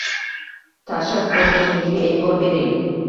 Tashqi ko‘rinishingizga e’tibor bering.